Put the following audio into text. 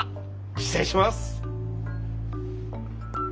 失礼します。